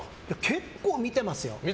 結構見てますよ。